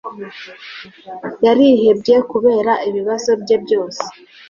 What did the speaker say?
Yarihebye kubera ibibazo bye byose.